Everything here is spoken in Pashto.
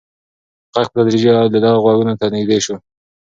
غږ په تدریجي ډول د ده غوږونو ته نږدې شو.